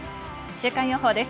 週間予報です。